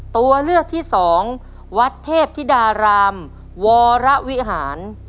ตัวเลือกที่สองวัดเทพธิดารามวรวิหาร